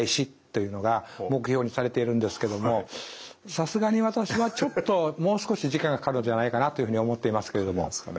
さすがに私はちょっともう少し時間がかかるんじゃないかなというふうに思っていますけれども。